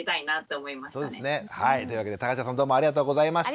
そうですね。というわけで田頭さんどうもありがとうございました。